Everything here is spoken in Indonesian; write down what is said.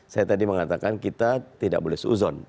saya tadi mengatakan kita tidak boleh seuzon